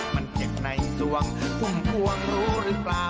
มันเจ็บในสวงพุ่มพวงรู้หรือเปล่า